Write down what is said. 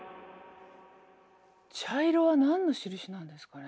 茶色は何の印なんですかね。